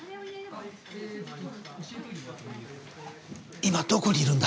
今どこにいるんだ？